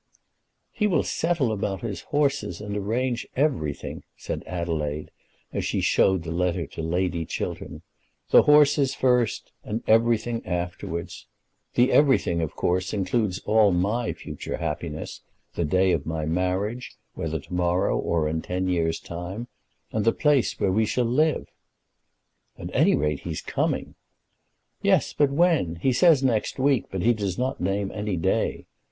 "He will settle about his horses, and arrange everything," said Adelaide, as she showed the letter to Lady Chiltern. "The horses first, and everything afterwards. The everything, of course, includes all my future happiness, the day of my marriage, whether to morrow or in ten years' time, and the place where we shall live." "At any rate, he's coming." "Yes; but when? He says next week, but he does not name any day.